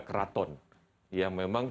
keraton yang memang